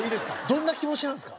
どんな気持ちなんですか？